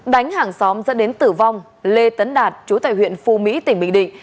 đánh hàng xóm dẫn đến tử vong lê tấn đạt chú tại huyện phu mỹ tỉnh bình định